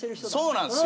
そうなんすよ。